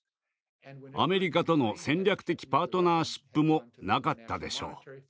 アメリカとの戦略的パートナーシップもなかったでしょう。